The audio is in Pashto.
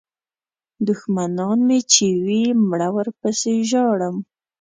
دوښمنان مې چې وي مړه ورپسې ژاړم.